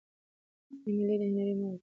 ایمیلي د هنري مور ده.